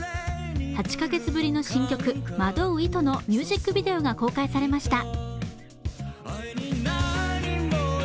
８カ月ぶりの新曲「惑う糸」のミュージックビデオが公開されました。